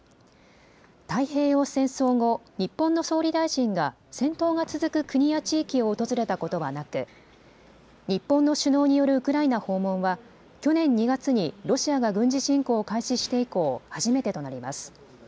太平洋戦争後、日本の総理大臣が戦闘が続く国や地域を訪れたことはなく、日本の首脳によるウクライナ訪問は去年２月にロシアが軍事侵攻を開始して以降、初めてとなります。